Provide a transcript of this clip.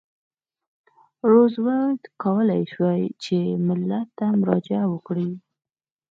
روزولټ کولای شوای چې ملت ته مراجعه وکړي.